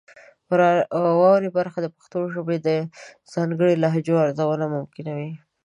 واورئ برخه د پښتو ژبې د ځانګړو لهجو ارزونه ممکنوي.